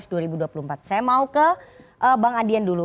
saya mau ke bang adian dulu